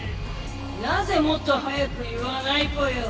なぜもっと早く言わないぽよ！